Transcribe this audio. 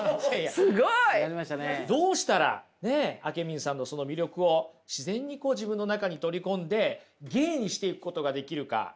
すごい！どうしたらあけみんさんのその魅力を自然に自分の中に取り込んで芸にしていくことができるか。